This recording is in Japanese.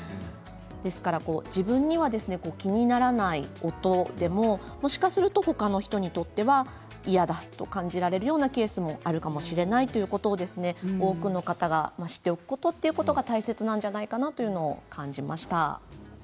ですから自分には気にならない音でももしかすると他の人にとっては嫌だと感じられるようなケースもあるかもしれないということを多くの方が知っておくということが大切なんじゃないかなと思いました。